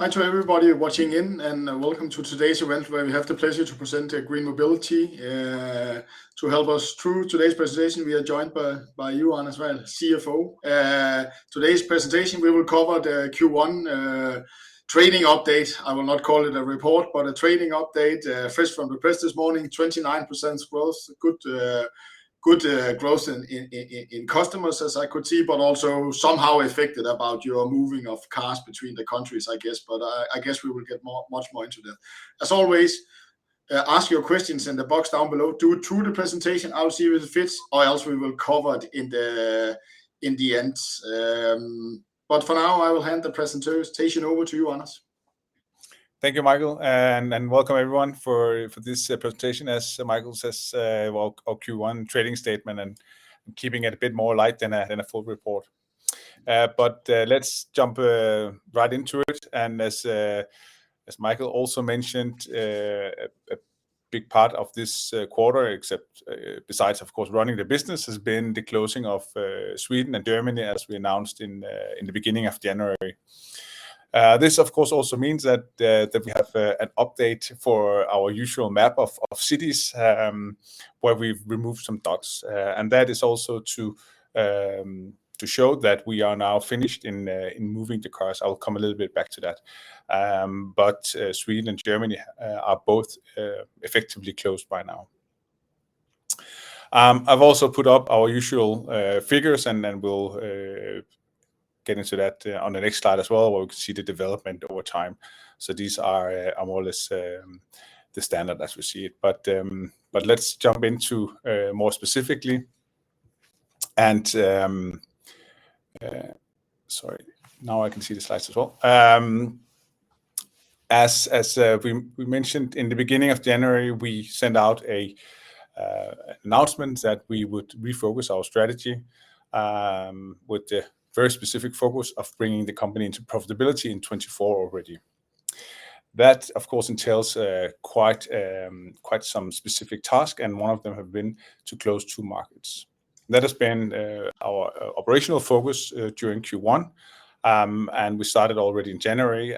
Hi to everybody watching in, welcome to today's event where we have the pleasure to present GreenMobility. To help us through today's presentation, we are joined by you, Anders, CFO. Today's presentation, we will cover the Q1 trading update. I will not call it a report, but a trading update, fresh from the press this morning. 29% growth. Good growth in customers as I could see, also somehow affected about your moving of cars between the countries, I guess. I guess we will get more, much more into that. As always, ask your questions in the box down below. Do it through the presentation. I'll see if it fits, or else we will cover it in the end. For now, I will hand the presentation over to you, Anders. Thank you, Michael. Welcome everyone for this presentation. As Michael says, well, our Q1 trading statement, and I'm keeping it a bit more light than a full report. Let's jump right into it, and as Michael also mentioned, a big part of this quarter except besides of course running the business, has been the closing of Sweden and Germany as we announced in the beginning of January. This of course also means that we have an update for our usual map of cities, where we've removed some dots. That is also to show that we are now finished in moving the cars. I will come a little bit back to that. Sweden and Germany are both effectively closed by now. I've also put up our usual figures, we'll get into that on the next slide as well, where we can see the development over time. These are more or less the standard as we see it. Let's jump into more specifically. Sorry, now I can see the slides as well. As we mentioned in the beginning of January, we sent out an announcement that we would refocus our strategy with the very specific focus of bringing the company into profitability in 2024 already. That of course entails quite some specific task, one of them have been to close two markets. That has been our operational focus during Q1. We started already in January,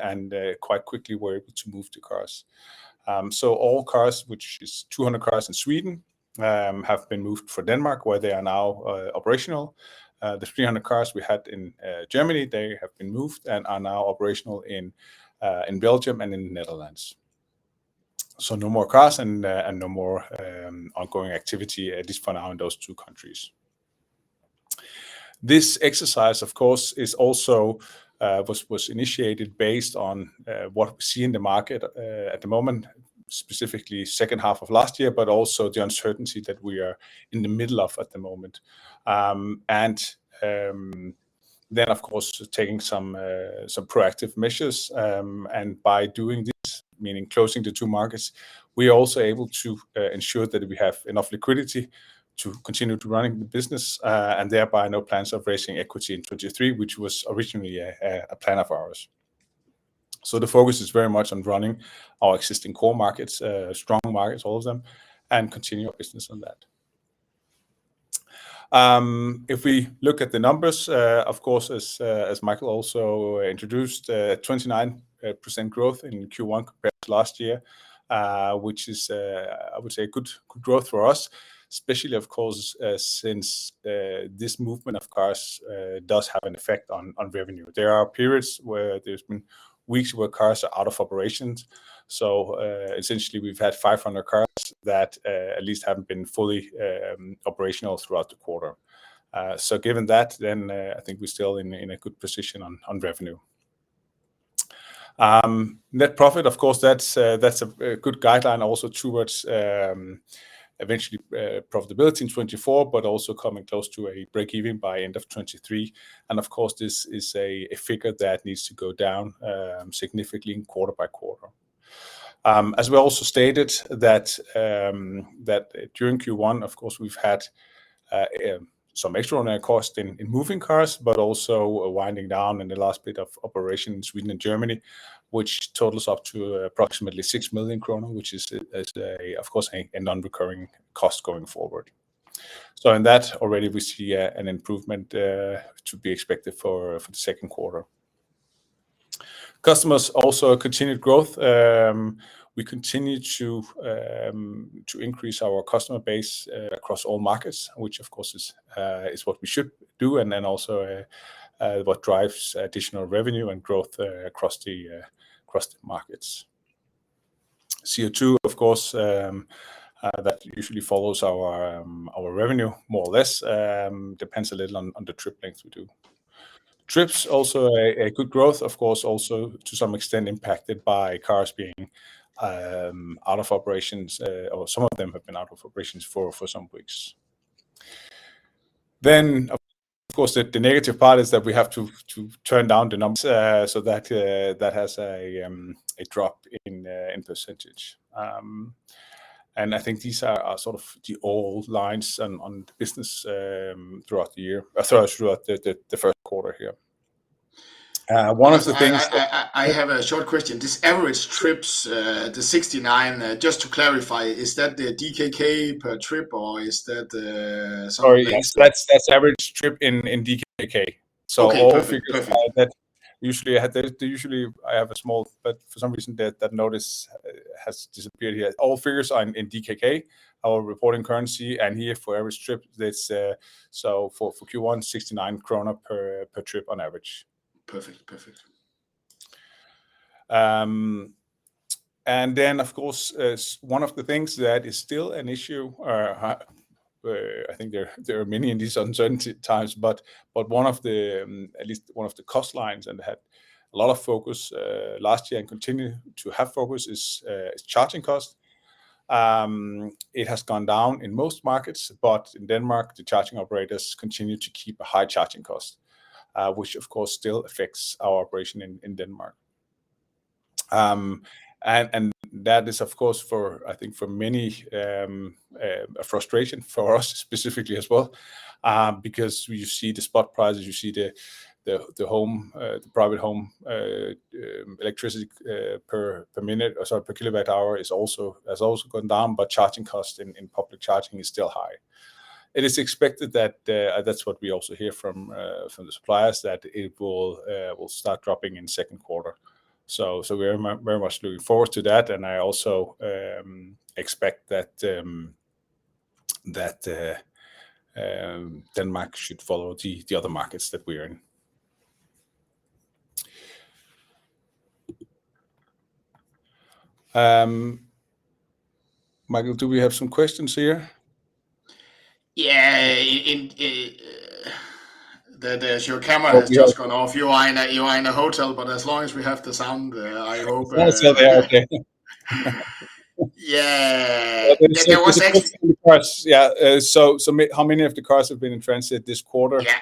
quite quickly were able to move the cars. All cars, which is 200 cars in Sweden, have been moved for Denmark where they are now operational. The 300 cars we had in Germany, they have been moved and are now operational in Belgium and in Netherlands. No more cars and no more ongoing activity at least for now in those two countries. This exercise of course is also was initiated based on what we see in the market at the moment, specifically second half of last year, but also the uncertainty that we are in the middle of at the moment. Of course taking some proactive measures, and by doing this, meaning closing the two markets, we are also able to ensure that we have enough liquidity to continue to running the business, and thereby no plans of raising equity in 2023, which was originally a plan of ours. The focus is very much on running our existing core markets, strong markets, all of them, and continue our business on that. If we look at the numbers, of course as Michael also introduced, 29% growth in Q1 compared to last year, which is I would say a good growth for us. Especially of course, since this movement of cars does have an effect on revenue. There are periods where there's been weeks where cars are out of operations. Essentially we've had 500 cars that at least haven't been fully operational throughout the quarter. Given that, I think we're still in a good position on revenue. Net profit, of course that's a good guideline also towards eventually profitability in 2024, but also coming close to a break-even by end of 2023. Of course this is a figure that needs to go down significantly in quarter by quarter. As we also stated that, during Q1, of course we've had some extra costs in moving cars, but also winding down in the last bit of operation in Sweden and Germany, which totals up to approximately 6 million kroner, which is a, of course a non-recurring cost going forward. In that already we see an improvement to be expected for the second quarter. Customers also a continued growth. We continue to increase our customer base across all markets, which of course is what we should do, and then also what drives additional revenue and growth across the markets. CO2 of course, that usually follows our revenue more or less. Depends a little on the trip length we do. Trips also a good growth of course also to some extent impacted by cars being out of operations, or some of them have been out of operations for some weeks. Of course the negative part is that we have to turn down the numbers, so that has a drop in percentage. I think these are sort of the all lines on the business throughout the year, sorry, throughout the first quarter here. One of the things that- I have a short question. This average trips, the 69, just to clarify, is that the DKK per trip or is that the Sorry, that's average trip in DKK. Okay, perfect. Perfect. All figures like that usually I have a small, but for some reason that notice has disappeared here. All figures are in DKK, our reporting currency, and here for every trip that's for Q1 69 krone per trip on average. Perfect. Of course, one of the things that is still an issue, I think there are many in these uncertainty times, but one of the, at least one of the cost lines and had a lot of focus, last year and continue to have focus is charging cost. It has gone down in most markets, but in Denmark the charging operators continue to keep a high charging cost, which of course still affects our operation in Denmark. That is of course, for, I think for many, a frustration for us specifically as well, because you see the spot prices, you see the home, the private home, electricity, per minute or sorry, per kilowatt hour is also, has also gone down, but charging cost in public charging is still high. It is expected that's what we also hear from the suppliers, that it will start dropping in second quarter. We are very much looking forward to that. I also expect that Denmark should follow the other markets that we are in. Michael, do we have some questions here? Yeah. There's your camera has just gone off. You are in a hotel, as long as we have the sound, I hope. Still there. Okay. Yeah. There was. Yeah. How many of the cars have been in transit this quarter? Yeah.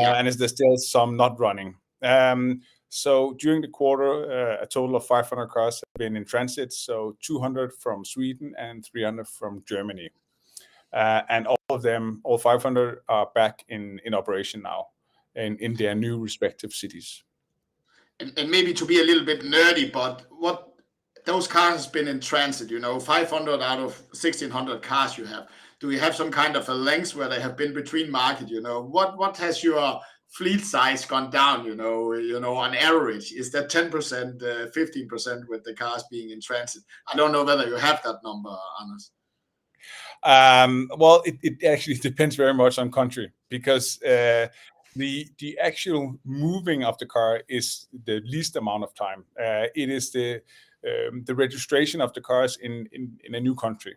Yeah. Is there still some not running? During the quarter, a total of 500 cars have been in transit, 200 from Sweden and 300 from Germany. All of them, all 500 are back in operation now in their new respective cities. Maybe to be a little bit nerdy, but what those cars been in transit, you know, 500 out of 1,600 cars you have, do we have some kind of a length where they have been between market, you know? What has your fleet size gone down, you know, on average? Is that 10%, 15% with the cars being in transit? I don't know whether you have that number, Anders. Well, it actually depends very much on country because the actual moving of the car is the least amount of time. It is the registration of the cars in a new country.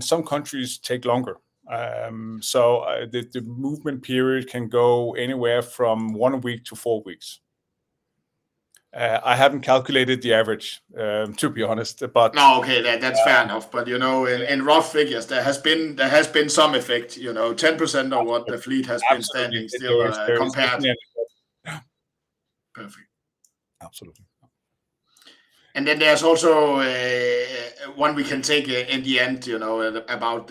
Some countries take longer. The movement period can go anywhere from 1 week to 4 weeks. I haven't calculated the average, to be honest, but. No. Okay. That's fair enough. You know, in rough figures, there has been some effect, you know, 10% or what the fleet has been standing still, compared. Yeah. Perfect. Absolutely. Then there's also, one we can take in the end, you know, about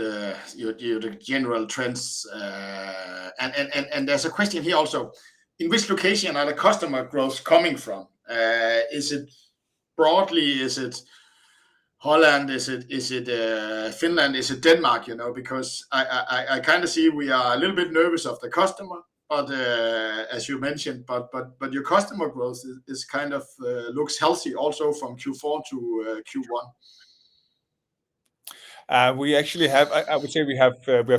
your, the general trends. There's a question here also. In which location are the customer growth coming from? Is it broadly, is it Holland? Is it Finland? Is it Denmark, you know? Because I kind of see we are a little bit nervous of the customer, but as you mentioned, but your customer growth is kind of looks healthy also from Q4-Q1. We actually I would say we have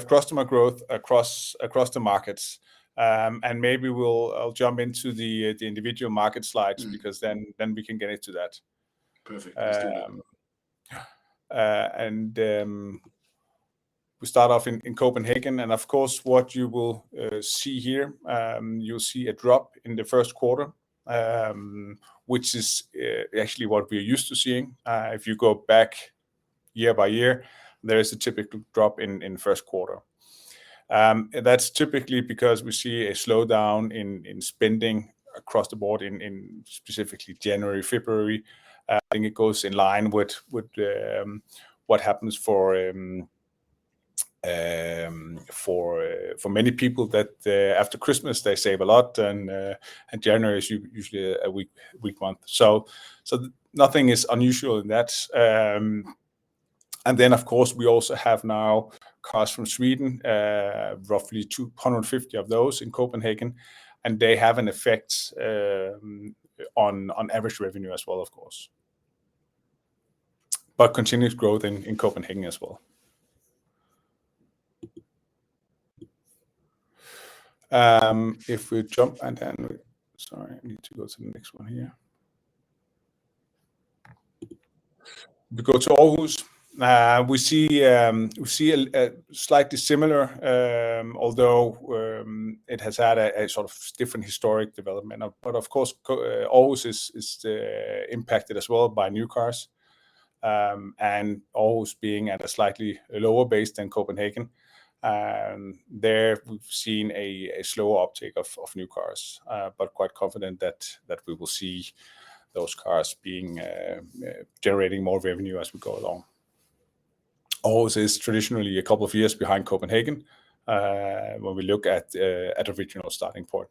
customer growth across the markets. Maybe I'll jump into the individual market slides because then we can get into that. Perfect. Let's do that. We start off in Copenhagen, and of course what you will see here, you'll see a drop in the first quarter, which is actually what we're used to seeing. If you go back year by year, there is a typical drop in first quarter. That's typically because we see a slowdown in spending across the board in specifically January, February. I think it goes in line with what happens for for many people that after Christmas they save a lot and January is usually a weak month. Nothing is unusual in that. Of course, we also have now cars from Sweden, roughly 250 of those in Copenhagen, and they have an effect on average revenue as well, of course. Continuous growth in Copenhagen as well. If we jump, I need to go to the next one here. We go to Aarhus. We see a slightly similar, although it has had a sort of different historic development. Of course, Aarhus is impacted as well by new cars. Aarhus being at a slightly lower base than Copenhagen, there we've seen a slower uptake of new cars. Quite confident that we will see those cars being generating more revenue as we go along. Aarhus is traditionally a couple of years behind Copenhagen, when we look at original starting point.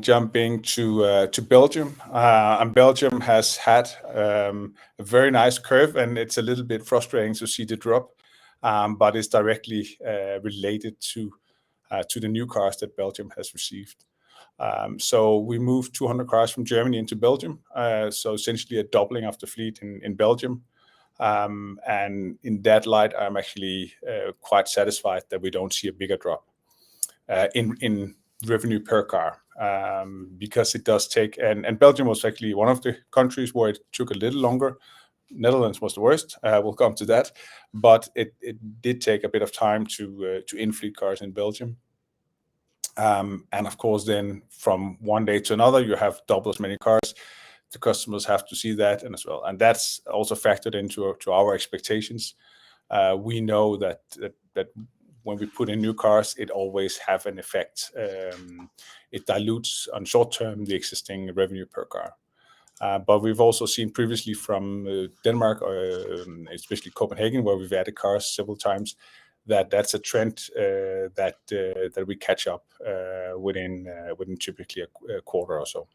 Jumping to Belgium. Belgium has had a very nice curve, and it's a little bit frustrating to see the drop, but it's directly related to the new cars that Belgium has received. We moved 200 cars from Germany into Belgium, so essentially a doubling of the fleet in Belgium. In that light, I'm actually quite satisfied that we don't see a bigger drop in revenue per car, because it does take. Belgium was actually one of the countries where it took a little longer. Netherlands was the worst, we'll come to that. It did take a bit of time to in-fleet cars in Belgium. Of course then from one day to another, you have double as many cars. The customers have to see that and as well, and that's also factored into our expectations. We know that when we put in new cars, it always have an effect. It dilutes on short term the existing revenue per car. We've also seen previously from Denmark, especially Copenhagen, where we've added cars several times, that that's a trend that we catch up within typically a quarter or so.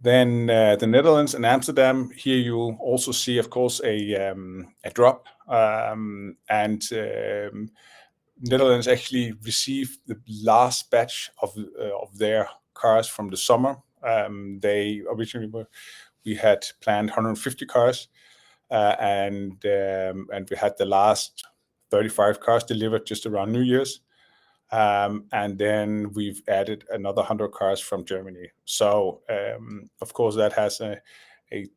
The Netherlands and Amsterdam, here you'll also see of course a drop. Netherlands actually received the last batch of their cars from the summer. They originally we had planned 150 cars, and we had the last 35 cars delivered just around New Year's. Then we've added another 100 cars from Germany. Of course that has a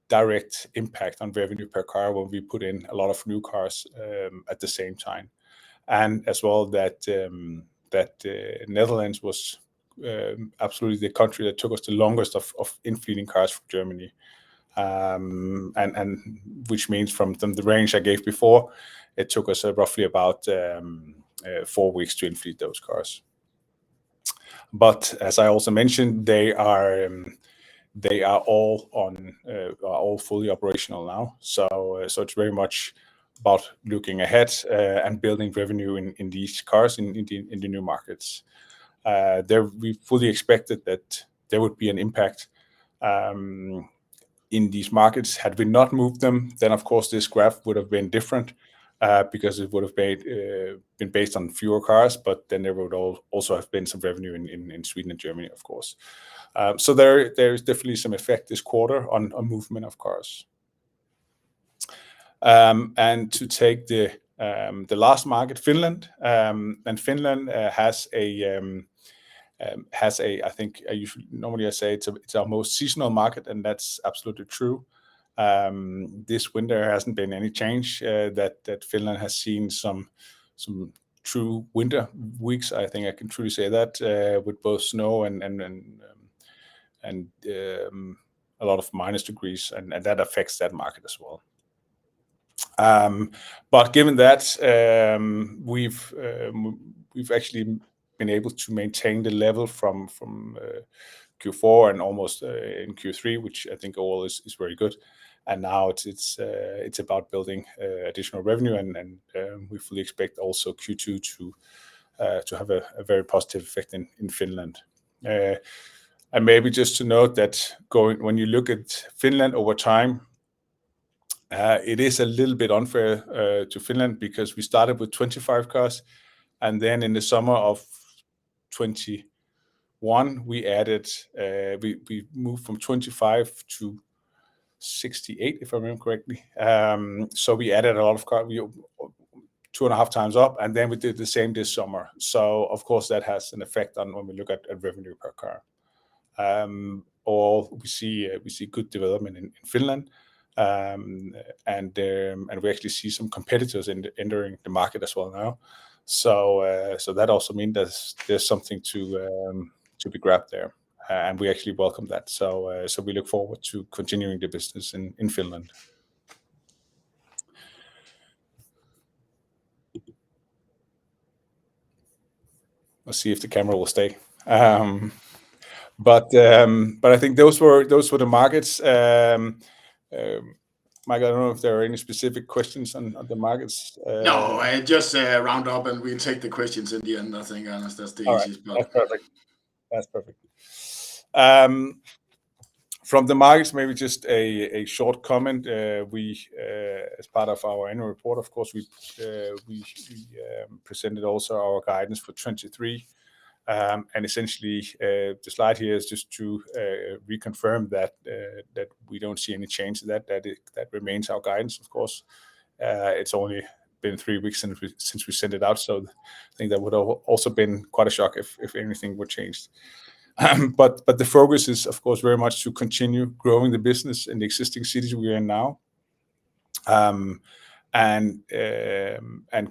direct impact on revenue per car when we put in a lot of new cars at the same time. As well that Netherlands was absolutely the country that took us the longest of in-fleeting cars from Germany. Which means from the range I gave before, it took us roughly about four weeks to in-fleet those cars. As I also mentioned, they are all fully operational now. It's very much about looking ahead and building revenue in these cars in the new markets. There we fully expected that there would be an impact in these markets. Had we not moved them, of course this graph would have been different because it would have been based on fewer cars, but then there would also have been some revenue in Sweden and Germany of course. There is definitely some effect this quarter on movement of cars. To take the last market, Finland. Finland has a, I think, normally I say it's our most seasonal market, that's absolutely true. This winter hasn't been any change. Finland has seen true winter weeks. I think I can truly say that with both snow and a lot of minus degrees, and that affects that market as well. Given that, we've actually been able to maintain the level from Q4 and almost in Q3, which I think all is very good. Now it's about building additional revenue, we fully expect also Q2 to have a very positive effect in Finland. to note that when you look at Finland over time, it is a little bit unfair to Finland because we started with 25 cars and then in the summer of 2021 we added, we moved from 25-68, if I remember correctly. So we added a lot of car. We two and a half times up, and then we did the same this summer. So of course, that has an effect on when we look at revenue per car. Or we see, we see good development in Finland, and we actually see some competitors entering the market as well now. So that also mean there's something to be grabbed there. And we actually welcome that. We look forward to continuing the business in Finland. Let's see if the camera will stay. I think those were the markets. Mike, I don't know if there are any specific questions on the markets. No, just round up and we'll take the questions at the end, I think, Anders. That's the easiest part. All right. That's perfect. That's perfect. From the markets, maybe just a short comment. We, as part of our annual report, of course, we presented also our guidance for 2023. Essentially, the slide here is just to reconfirm that we don't see any change to that. That remains our guidance, of course. It's only been three weeks since we, since we sent it out, so I think that would have also been quite a shock if anything were changed. The focus is of course very much to continue growing the business in the existing cities we are in now, and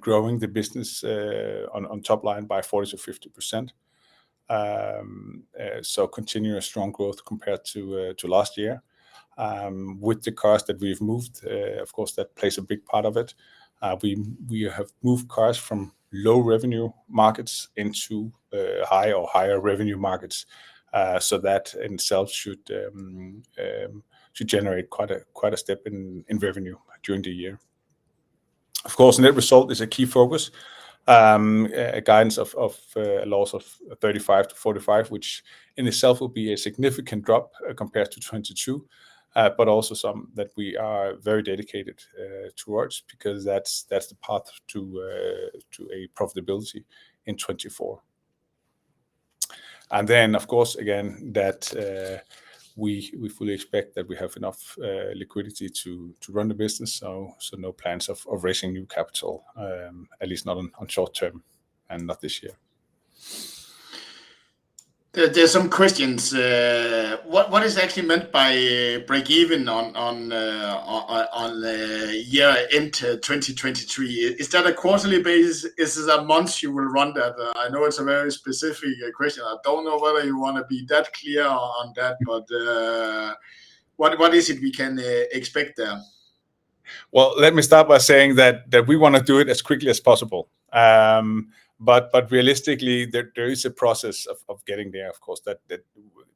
growing the business on top line by 40%-50%. Continuous strong growth compared to last year. With the cars that we've moved, of course, that plays a big part of it. We have moved cars from low revenue markets into high or higher revenue markets. That in itself should generate quite a step in revenue during the year. Of course, net result is a key focus. A guidance of a loss of 35-45, which in itself will be a significant drop compared to 2022. Also something that we are very dedicated towards because that's the path to a profitability in 2024. Then of course, again, that, we fully expect that we have enough liquidity to run the business, so no plans of raising new capital, at least not on short term and not this year. There are some questions. What is actually meant by break even on the year into 2023? Is that a quarterly basis? Is it a month you will run that? I know it's a very specific question. I don't know whether you wanna be that clear on that, but what is it we can expect there? Let me start by saying that we wanna do it as quickly as possible. Realistically there is a process of getting there, of course, that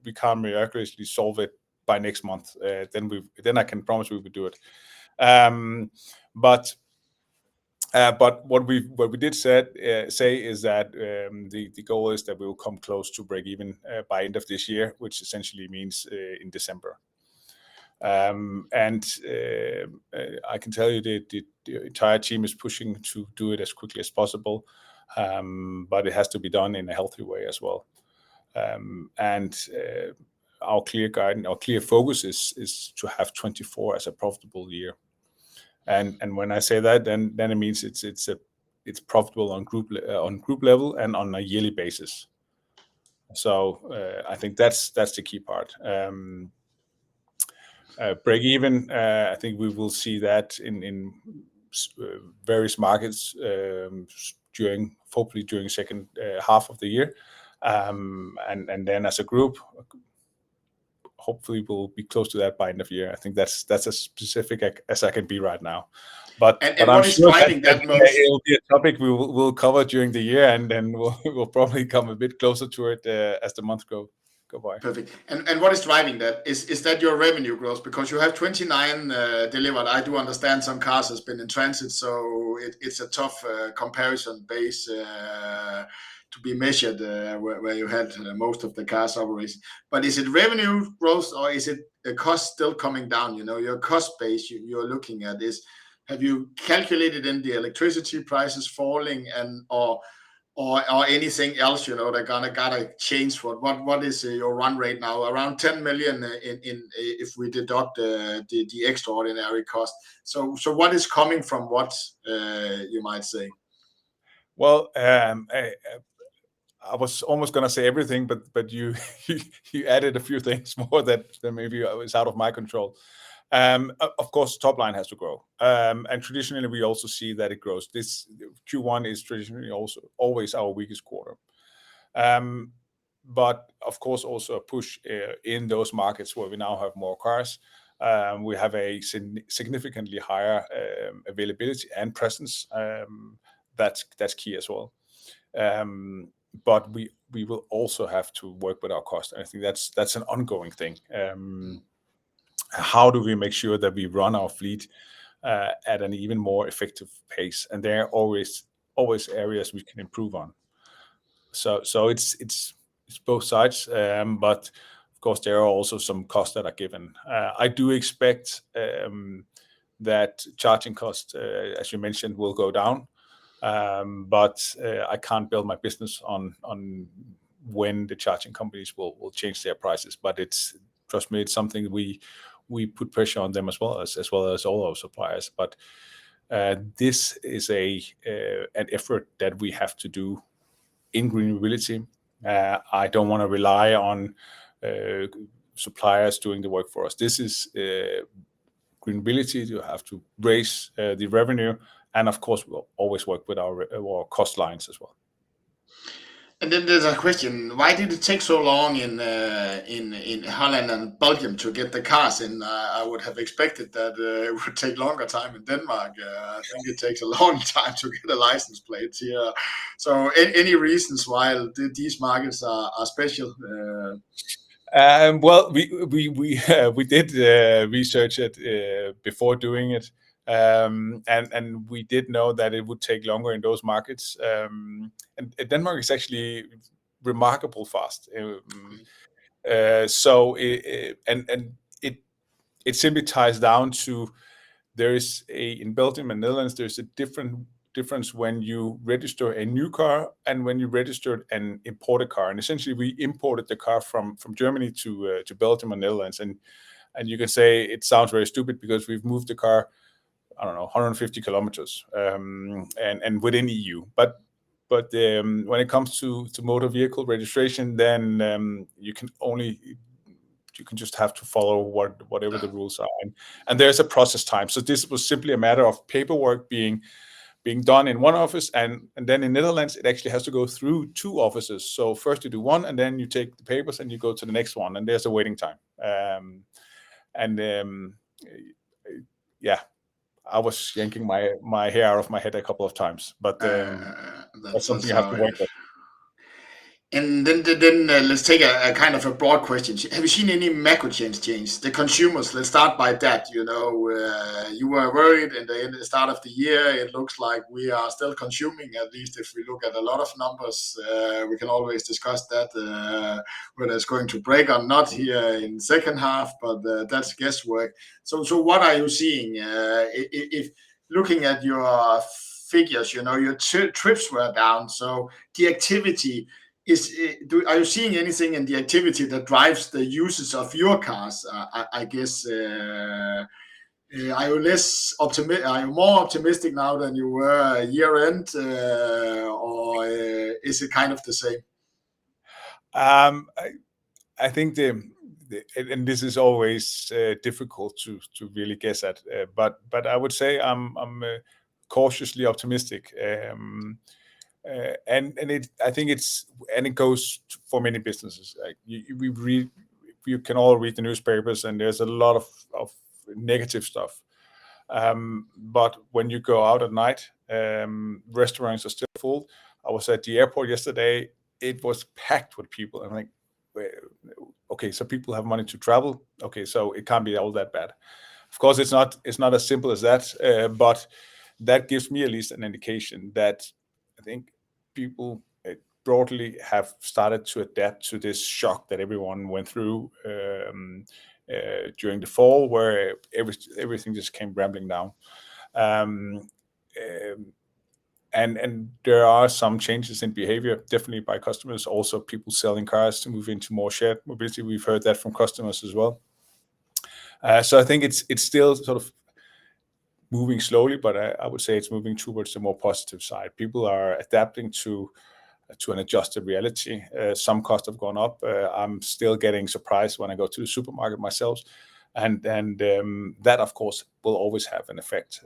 we can't miraculously solve it by next month. I can promise we will do it. What we did say is that the goal is that we will come close to break even by end of this year, which essentially means in December. I can tell you that the entire team is pushing to do it as quickly as possible, but it has to be done in a healthy way as well. Our clear guide and our clear focus is to have 2024 as a profitable year. When I say that, then it means it's profitable on group level and on a yearly basis. I think that's the key part. Break even, I think we will see that in various markets, during, hopefully during second half of the year. Then as a group, hopefully we'll be close to that by end of year. I think that's as specific as I can be right now. I'm sure that- What is driving that most?... it will be a topic we'll cover during the year, and then we'll probably come a bit closer to it as the months go by. Perfect. What is driving that? Is that your revenue growth? Because you have 29 delivered. I do understand some cars has been in transit, so it's a tough comparison base to be measured where you had most of the cars already. Is it revenue growth or is it the cost still coming down? You know, your cost base you're looking at is, have you calculated in the electricity prices falling and, or anything else, you know, that kinda gotta change for it? What is your run rate now? Around 10 million in if we deduct the extraordinary cost. What is coming from what you might say? Well, I was almost gonna say everything, but you added a few things more that maybe I was out of my control. Of course, top line has to grow. Traditionally we also see that it grows. This Q1 is traditionally also always our weakest quarter. Of course also a push in those markets where we now have more cars, we have a significantly higher availability and presence. That's key as well. We will also have to work with our cost, and I think that's an ongoing thing. How do we make sure that we run our fleet at an even more effective pace? There are always areas we can improve on. It's both sides. Of course there are also some costs that are given. I do expect that charging costs, as you mentioned, will go down. I can't build my business on when the charging companies will change their prices. It's, trust me, it's something we put pressure on them as well as all our suppliers. This is an effort that we have to do in GreenMobility. I don't wanna rely on suppliers doing the work for us. This is GreenMobility, you have to raise the revenue, and of course, we'll always work with our cost lines as well. There's a question, why did it take so long in Holland and Belgium to get the cars in? I would have expected that, it would take longer time in Denmark. I think it takes a long time to get the license plates here. Any reasons why these markets are special? Well, we did research it before doing it. We did know that it would take longer in those markets. It simply ties down to there is a, in Belgium and Netherlands, there's a difference when you register a new car and when you registered and import a car. Essentially we imported the car from Germany to Belgium and Netherlands, you can say, it sounds very stupid because we've moved the car, I don't know, 150 kilometers within E.U. When it comes to motor vehicle registration then, you just have to follow what, whatever the rules are. There's a process time. This was simply a matter of paperwork being done in one office, and then in Netherlands, it actually has to go through two offices. First you do one, and then you take the papers, and you go to the next one, and there's a waiting time. Yeah. I was yanking my hair out of my head a couple of times. That's what's happening. Then let's take a kind of a broad question. Have you seen any macro change since the consumers? Let's start by that. You know, you were worried in the start of the year. It looks like we are still consuming, at least if we look at a lot of numbers. We can always discuss that, whether it's going to break or not here in second half, but that's guesswork. What are you seeing if looking at your figures? You know, your trips were down, so the activity is. Are you seeing anything in the activity that drives the uses of your cars? I guess, are you more optimistic now than you were a year-end, or is it kind of the same? I think the, and this is always difficult to really guess at. I would say I'm cautiously optimistic. It, I think it's, and it goes for many businesses. Like, you, we read, you can all read the newspapers, and there's a lot of negative stuff. When you go out at night, restaurants are still full. I was at the airport yesterday. It was packed with people. I'm like, "Wait. Okay, so people have money to travel. Okay, so it can't be all that bad." Of course, it's not as simple as that. That gives me at least an indication that I think people broadly have started to adapt to this shock that everyone went through during the fall, where everything just came rambling down. There are some changes in behavior, definitely by customers, also people selling cars to move into more shared mobility. We've heard that from customers as well. I think it's still sort of moving slowly, but I would say it's moving towards the more positive side. People are adapting to an adjusted reality. Some costs have gone up. I'm still getting surprised when I go to the supermarket myself, and that of course will always have an effect.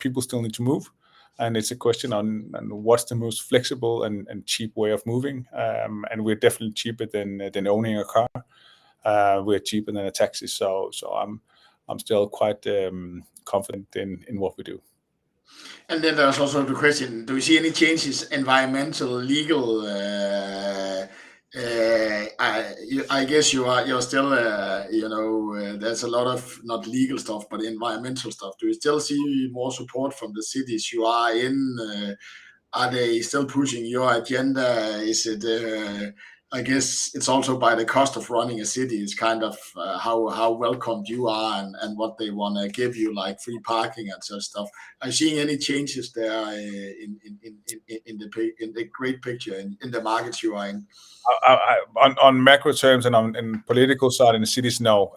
People still need to move, and it's a question on what's the most flexible and cheap way of moving, and we're definitely cheaper than owning a car. We're cheaper than a taxi. I'm still quite confident in what we do. There's also the question, do we see any changes environmental, legal, I guess you are, you're still, you know, there's a lot of not legal stuff, but environmental stuff. Do you still see more support from the cities you are in? Are they still pushing your agenda? Is it, I guess it's also by the cost of running a city. It's kind of, how welcomed you are and what they want to give you, like free parking and sort of stuff. Are you seeing any changes there in the great picture, in the markets you're in? On macro terms and in political side in the cities, no.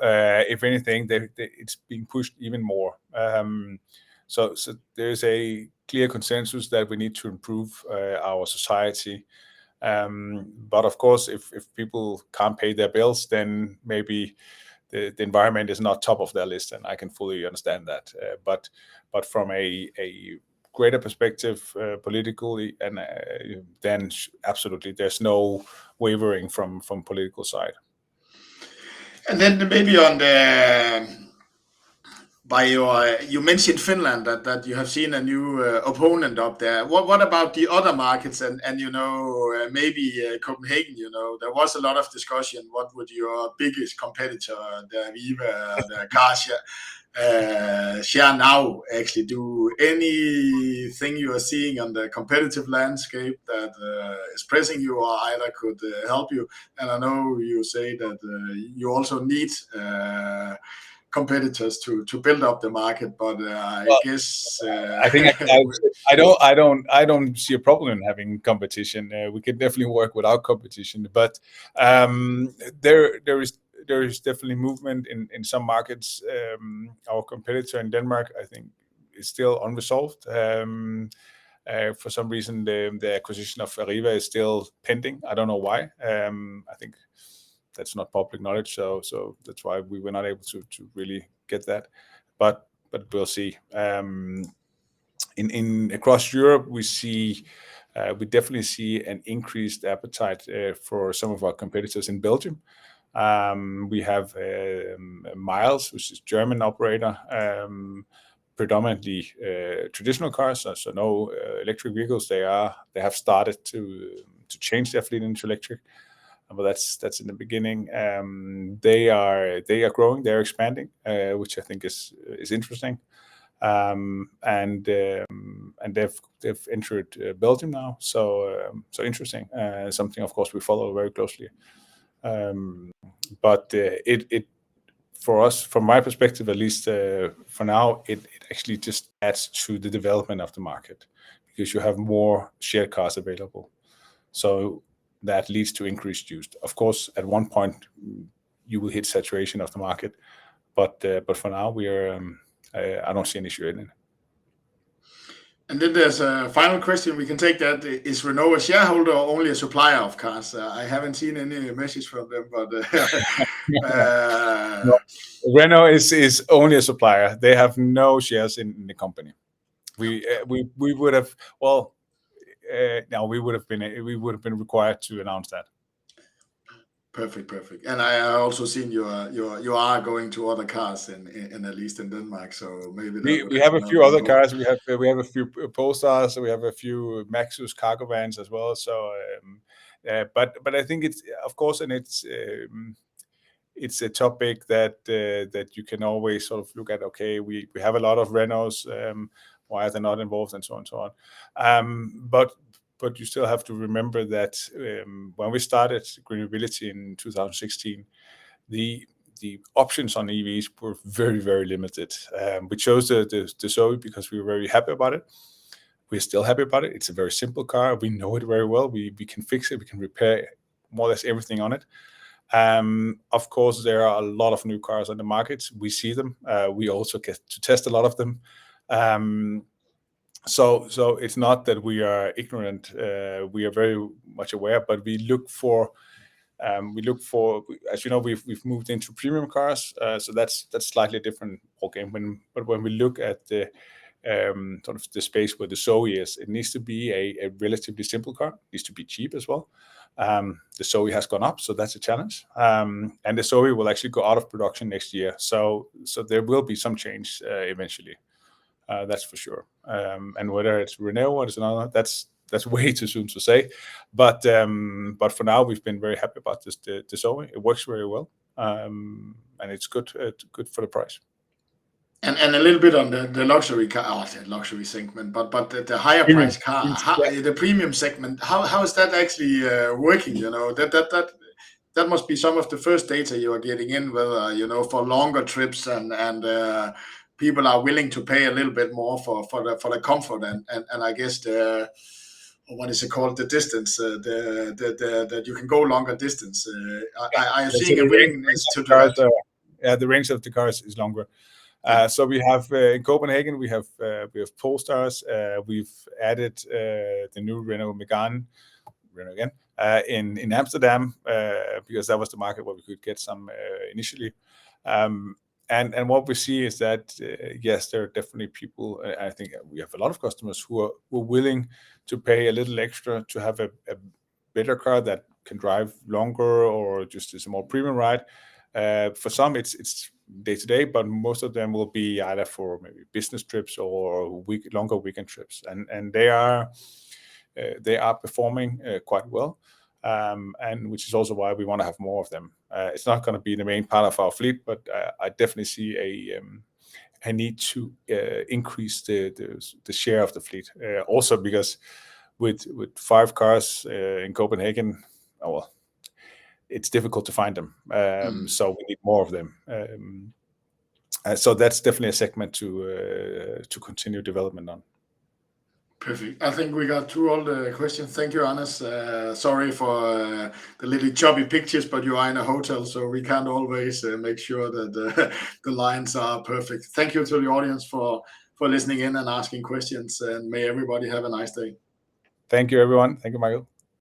If anything, they, it's being pushed even more. There's a clear consensus that we need to improve our society. Of course, if people can't pay their bills, then maybe the environment is not top of their list, and I can fully understand that. From a greater perspective, politically and, then absolutely there's no wavering from political side. Maybe on the, by your, you mentioned Finland, that you have seen a new opponent up there. What about the other markets and, you know, maybe Copenhagen, you know? There was a lot of discussion what would your biggest competitor, SHARE NOW actually. Do anything you are seeing on the competitive landscape that is pressing you or either could help you? I know you say that you also need competitors to build up the market, but. Well- I guess. I think I don't see a problem in having competition. We can definitely work without competition, but there is definitely movement in some markets. Our competitor in Denmark I think is still unresolved. For some reason, the acquisition of Arriva is still pending. I don't know why. I think that's not public knowledge, so that's why we were not able to really get that, but we'll see. Across Europe, we see we definitely see an increased appetite for some of our competitors in Belgium. We have MILES, which is German operator, predominantly traditional cars. No electric vehicles. They have started to change their fleet into electric, but that's in the beginning. They are growing, they are expanding, which I think is interesting. They've entered Belgium now, so interesting. Something of course we follow very closely. It for us, from my perspective at least, for now, it actually just adds to the development of the market because you have more shared cars available. That leads to increased use. Of course, at one point you will hit saturation of the market, but for now we are, I don't see an issue in it. Then there's a final question we can take that, is Renault a shareholder or only a supplier of cars? I haven't seen any message from them, but. Renault is only a supplier. They have no shares in the company. Well, no, we would've been required to announce that. Perfect. I also seen you are going to other cars in, at least in Denmark, maybe like We have a few other cars. We have a few Polestars, we have a few MAXUS cargo vans as well. But I think it's, of course, and it's a topic that you can always sort of look at, okay, we have a lot of Renaults, why are they not involved and so on and so on. But you still have to remember that when we started GreenMobility in 2016, the options on EVs were very, very limited. We chose the ZOE because we were very happy about it. We're still happy about it. It's a very simple car. We know it very well. We can fix it. We can repair more or less everything on it. Of course, there are a lot of new cars on the market. We see them. We also get to test a lot of them. It's not that we are ignorant. We are very much aware, but we look for, as you know, we've moved into premium cars. That's slightly different ballgame. When we look at the sort of the space where the ZOE is, it needs to be a relatively simple car, needs to be cheap as well. The ZOE has gone up, that's a challenge. The ZOE will actually go out of production next year. There will be some change eventually, that's for sure. Whether it's Renault or it's another, that's way too soon to say. For now, we've been very happy about the ZOE. It works very well. It's good, it's good for the price. And a little bit on the luxury car. I won't say luxury segment, but the higher priced car- Yeah... the premium segment, how is that actually working? You know, that must be some of the first data you are getting in whether, you know, for longer trips and people are willing to pay a little bit more for the comfort and I guess the, what is it called? The distance that you can go longer distance. I'm seeing a range to that. The range of the cars is longer. We have in Copenhagen, we have Polestars. We've added the new Renault Megane, Renault again, in Amsterdam, because that was the market where we could get some initially. What we see is that yes, there are definitely people, I think we have a lot of customers who are willing to pay a little extra to have a better car that can drive longer or just is a more premium ride. For some it's day-to-day, but most of them will be either for maybe business trips or longer weekend trips. They are performing quite well. Which is also why we want to have more of them. It's not gonna be the main part of our fleet, but I definitely see a need to increase the share of the fleet. Also because with five cars in Copenhagen, well, it's difficult to find them. We need more of them. That's definitely a segment to continue development on. Perfect. I think we got through all the questions. Thank you, Anders. Sorry for the little chubby pictures, but you are in a hotel, so we can't always make sure that the lines are perfect. Thank you to the audience for listening in and asking questions. May everybody have a nice day. Thank you, everyone. Thank you, Michael.